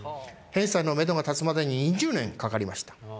返済のめどが立つまでに２０年かかりました。